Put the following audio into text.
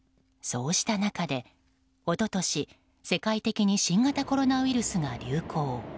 そうした中でおととし、世界的に新型コロナウイルスが流行。